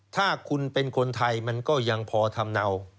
ถ้าคุณเป็นคนไทยมันก็ยังพอทำเนา